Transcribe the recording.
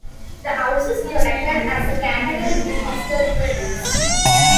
The house is protected as a category B listed building.